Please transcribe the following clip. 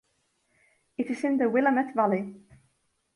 It is in the Willamette Valley.